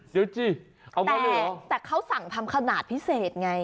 แต่ว่าเค้าสั่งทำขนาดพิเศษยังไง